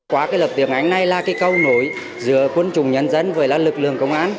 qua cái lập tiếng anh này là cái câu nối giữa quân chủng nhân dân với là lực lượng công an